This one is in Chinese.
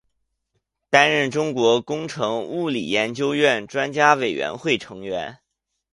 担任中国工程物理研究院专家委员会成员。